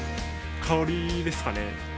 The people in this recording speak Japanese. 香りですかね。